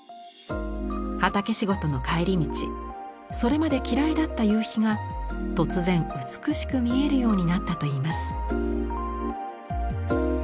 畑仕事の帰り道それまで嫌いだった夕日が突然美しく見えるようになったといいます。